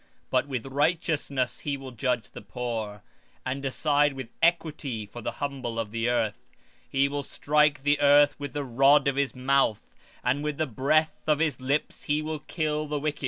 21:4 But with righteousness shall he judge the poor, and reprove with equity for the meek of the earth; and he shall smite the earth with the rod of his mouth, and with the breath of his lips shall he slay the wicked.